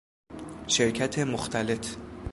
شرکت مختلط